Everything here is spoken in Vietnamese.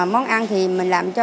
món ăn thì mình làm cho